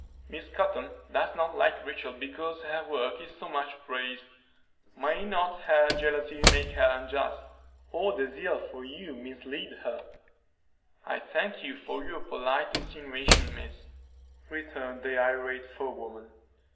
"Miss Cotton does not like Rachel because her work is so much praised. May not her jealousy make her unjust, or her zeal for you mislead her?" "I thank you for your polite insinuations, miss," returned the irate forewoman.